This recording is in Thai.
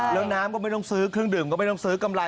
แล้วน้ำก็ไม่ต้องซื้อเครื่องดื่มก็ไม่ต้องซื้อกำไร